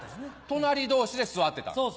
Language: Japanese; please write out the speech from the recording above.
隣同士で座ってたんです。